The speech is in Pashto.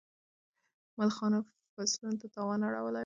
ملخانو فصلونو ته تاوان اړولی و.